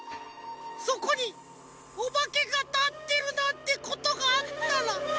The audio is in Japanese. そこにおばけがたってるなんてことがあったら。